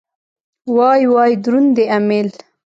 وای وای دروند دی امېل.